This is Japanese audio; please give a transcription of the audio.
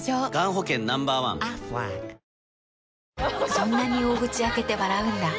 そんなに大口開けて笑うんだ。